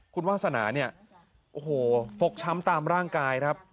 คุณวาสนาโฟกช้ำตามร่างกายครับ